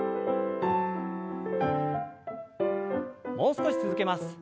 もう少し続けます。